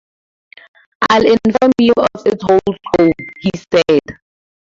'I’ll inform you of its whole scope,’ he said.